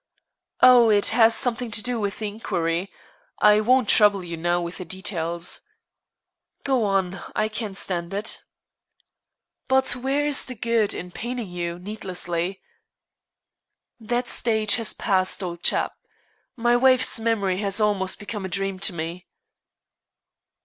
"Oh, it has something to do with the inquiry. I won't trouble you now with the details." "Go on, I can stand it." "But where is the good in paining you needlessly?" "That stage has passed, old chap. My wife's memory has almost become a dream to me."